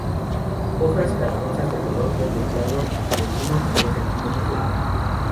Hojas carnosas, de color verde claro, de uno o dos centímetros de longitud.